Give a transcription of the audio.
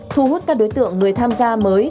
thu hút các đối tượng người tham gia mới